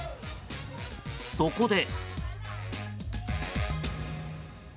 そこで。